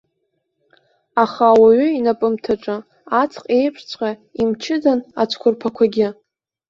Аха ауаҩы инапымҭаҿы, аҵх еиԥшҵәҟьа имчыдан ацәқәырԥақәагьы.